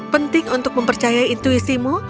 penting untuk mempercaya intuisimu